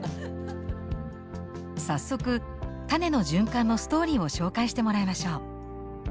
早速種の循環のストーリーを紹介してもらいましょう。